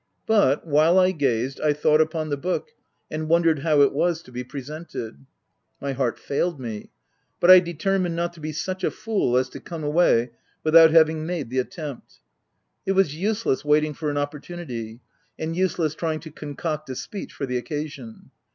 But, while I gazed, I thought upon the book, and wondered how it was to be pre sented. My heart failed me ; but I determined not to be such a fool as to come away without having made the attempt. It was useless wait ing for an opportunity, and useless trying to concoct a speech for the occasion.